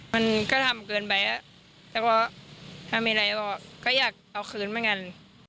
มันก็จะทำให้เกินไปแต่รอถ้ามีอะไรก็ออกก็อยากเอาขืนมากัน